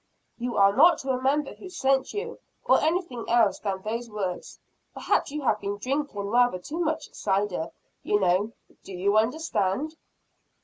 "You are not to remember who sent you, or anything else than those words. Perhaps you have been drinking rather too much cider, you know. Do you understand?"